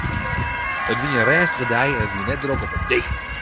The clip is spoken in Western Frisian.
It wie in rêstige dei en it wie net drok op 'e dyk.